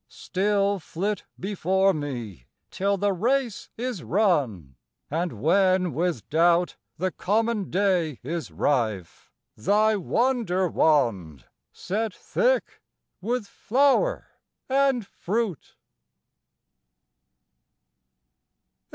Still flit before me till the race is run, And when with doubt the common day is rife, Thy wonder wand set thick with flower and fruit.